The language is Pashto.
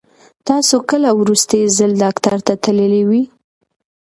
تاسو کله وروستی ځل ډاکټر ته تللي وئ؟